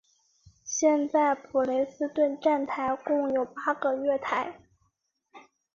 现在普雷斯顿车站共有八个月台。